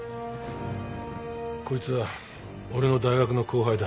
こいつは俺の大学の後輩だ。